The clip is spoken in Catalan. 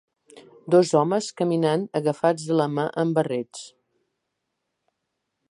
Dos homes caminant agafats de la mà amb barrets.